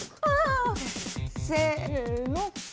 せの。